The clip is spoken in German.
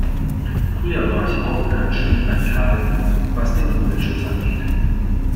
Früher war ich auch ganz schön radikal was den Umweltschutz angeht.